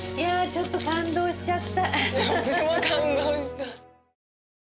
ちょっと感動しちゃった